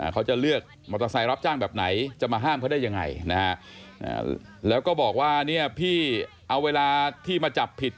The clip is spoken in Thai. เขาจะเลือกมอเตอร์ไซค์รับจ้างแบบไหนจะมาห้ามเขาได้ยังไงนะฮะแล้วก็บอกว่าเนี่ยพี่เอาเวลาที่มาจับผิด